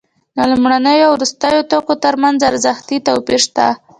د لومړنیو او وروستیو توکو ترمنځ ارزښتي توپیر شته